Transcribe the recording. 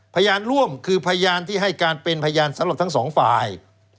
พยานร่วมคือพยานที่ให้การเป็นพยานสำหรับทั้งสองฝ่าย